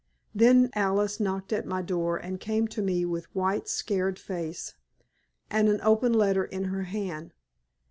Then Alice knocked at my door and came to me with white, scared face, and an open letter in her hand.